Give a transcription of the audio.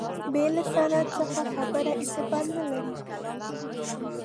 بې له سند څخه خبره اعتبار نه لرله.